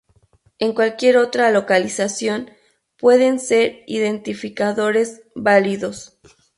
En cualquier otra localización, pueden ser identificadores válidos.